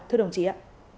thưa đồng chí ạ